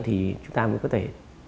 thì chúng ta mới có thể